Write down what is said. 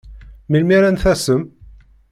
Melmi ara n-tasem?